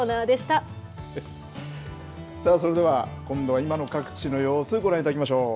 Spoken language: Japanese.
さあ、それでは今度は今の各地の様子、ご覧いただきましょう。